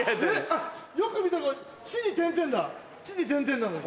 よく見たらこれ「シ」に点々だ「チ」に点々なのに。